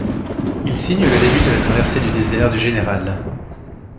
Il signe le début de la Traversée du désert du général.